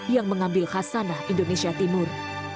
yang mengambil khasanah indonesia timur